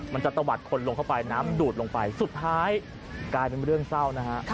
ตะวัดคนลงเข้าไปน้ำดูดลงไปสุดท้ายกลายเป็นเรื่องเศร้านะฮะ